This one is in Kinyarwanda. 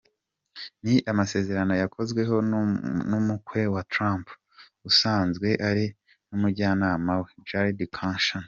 Ni amasezerano yakozweho n’umukwe wa Trump usanzwe ari n’umujyanama we, Jared Kushner.